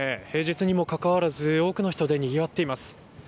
平日にもかかわらず多くの人でにぎわっています。